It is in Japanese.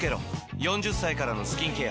４０歳からのスキンケア